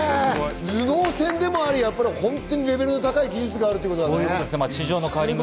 頭脳戦でもあり、本当にレベルの高い技術があるということだね。